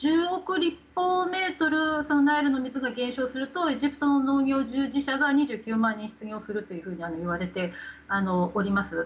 立方メートルナイルの水が減少するとエジプトの農業従事者が２９万人失業するといわれております。